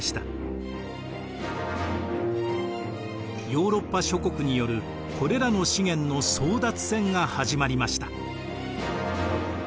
ヨーロッパ諸国によるこれらの資源の争奪戦が始まりました。